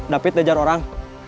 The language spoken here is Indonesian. david diajar orang